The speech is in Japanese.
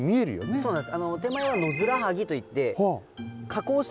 そうなんですよ。